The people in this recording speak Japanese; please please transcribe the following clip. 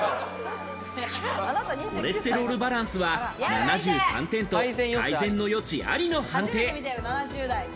コレステロールバランスは７３点と改善の余地ありの判定。